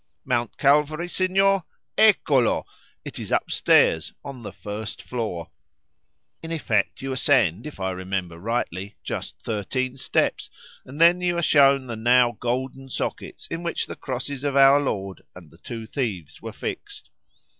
Mount Calvary, signor?—eccolo! it is upstairs—on the first floor. In effect you ascend, if I remember rightly, just thirteen steps, and then you are shown the now golden sockets in which the crosses of our Lord and the two thieves were fixed.